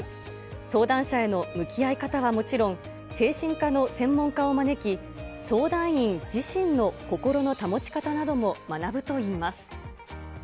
相談者への向き合い方はもちろん、精神科の専門家を招き、相談員自身の心の保ち方なども学ぶといいます。